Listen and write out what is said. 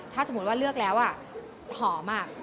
ถ้าสมมุติว่าเลือกแล้วหอม